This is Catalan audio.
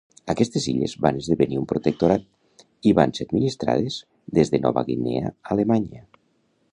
Aquestes illes van esdevenir un protectorat i van ser administrades des de Nova Guinea Alemanya.